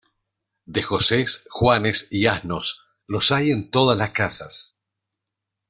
De Josés, Juanes y asnos, los hay en todas las casas.